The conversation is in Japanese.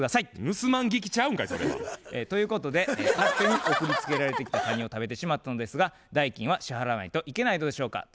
盗まん聞きちゃうんかいそれは。ということで勝手に送り付けられてきたカニを食べてしまったのですが代金は支払わないといけないのでしょうかという相談でやってまいりました。